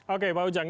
oke pak ujang